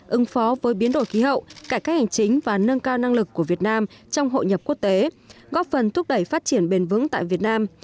ứng phó với biến đổi khí hậu cải cách hành chính và nâng cao năng lực của việt nam trong hội nhập quốc tế góp phần thúc đẩy phát triển bền vững tại việt nam